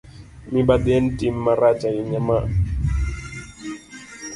Mibadhi en tim marach ahinya ma